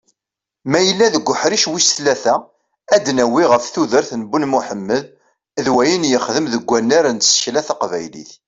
Ma yella deg uḥric wis tlata, ad d-nawwi ɣef tudert n Ben Muḥemmed d wayen yexdem deg wunar n tsekla taqbaylit.